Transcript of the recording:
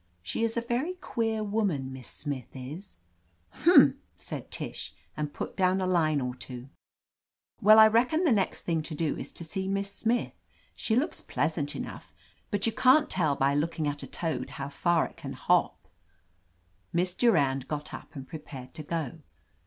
"She's a very queer woman, Miss Smith is,'' "Humph r Tish said, and put down a line or two* "Well, I redcon the next thing to do is to see Miss Snuth. She looks pleasant enough, btft you can't teH by looking at a toad how far it can hop." Miss Durand got up and prepared to go.